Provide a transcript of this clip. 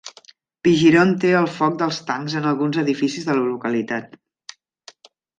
Pigiron té el foc dels tancs en alguns edificis de la localitat.